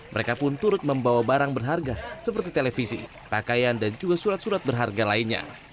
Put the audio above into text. mereka pun turut membawa barang berharga seperti televisi pakaian dan juga surat surat berharga lainnya